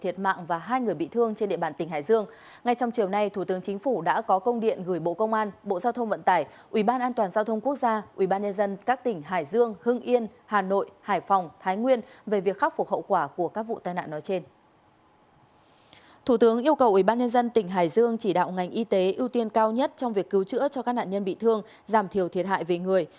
thủ tướng yêu cầu ủy ban nhân dân tỉnh hải dương chỉ đạo ngành y tế ưu tiên cao nhất trong việc cứu chữa cho các nạn nhân bị thương giảm thiểu thiệt hại về người